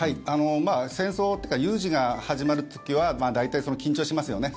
戦争というか有事が始まる時は大体、緊張しますよね。